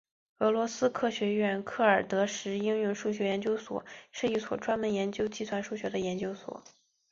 俄罗斯科学院克尔德什应用数学研究所是一所专门研究计算数学的研究所。